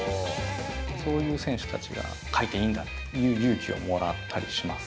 そういう選手たちを描いていいんだっていう勇気をもらったりします。